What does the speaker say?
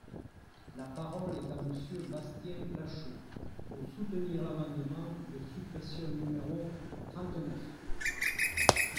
La parole est à Monsieur Bastien Lachaud, pour soutenir l’amendement de suppression numéro trente-neuf.